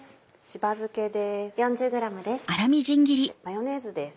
しば漬けです。